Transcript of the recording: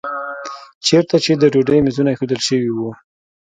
چېرته چې د ډوډۍ میزونه ایښودل شوي وو.